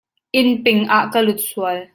Inn ping ah ka lut sual.